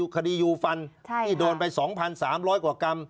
คดียูฟันที่โดนไป๒๓๐๐กว่ากรัม